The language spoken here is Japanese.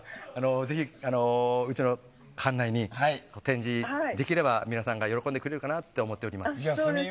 ぜひ、うちの館内に展示できれば皆さんが喜んでくれるかなと思います。